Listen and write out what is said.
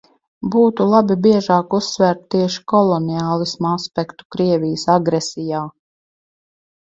Būtu labi biežāk uzsvērt tieši koloniālisma aspektu Krievijas agresijā.